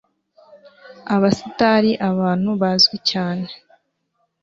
abasitari abantu bazwi cyane